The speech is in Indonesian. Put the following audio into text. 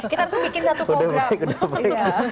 kita harusnya bikin satu program